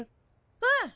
うん！